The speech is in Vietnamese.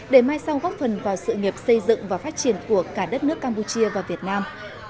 để mai sau góp phần vào sự nghiệp xây dựng và phát triển của cả đất nước campuchia và việt nam